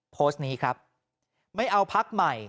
โพสต์นี้ครับไม่เอาพักใหม่